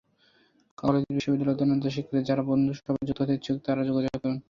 কলেজ-বিশ্ববিদ্যালয়ে অধ্যয়নরত শিক্ষার্থী, যাঁরা বন্ধুসভায় যুক্ত হতে ইচ্ছুক, তাঁরা যোগাযোগ করুন।